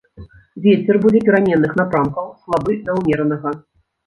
Вецер будзе пераменных напрамкаў, слабы да ўмеранага.